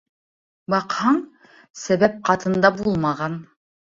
Баҡһаң, сәбәп ҡатында булмаған.